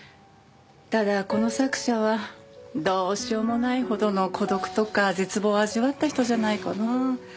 ただこの作者はどうしようもないほどの孤独とか絶望を味わった人じゃないかな。